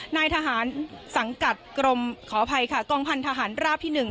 นายทหารสังกัดกรมขออภัยค่ะกองพันธหารราบที่๑